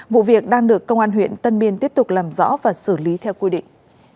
vụ việc đang được công an huyện tân biên tiếp tục làm rõ và xử lý theo quy định